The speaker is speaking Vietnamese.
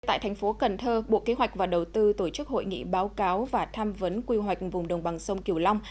tại thành phố cần thơ bộ kế hoạch và đầu tư tổ chức hội nghị báo cáo và tham vấn quy hoạch vùng đồng bằng sông kiều long